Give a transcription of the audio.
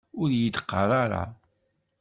Ur iyi-d qqar ara!